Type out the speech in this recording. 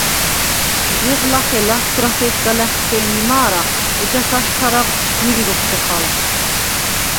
ჟეღ ლახე ლასგვარათე̄სგა ლა̈ხსე̄ნი მა̄რა, ეჯას აშთარაღდ შგვირ როქვ ხოხალ.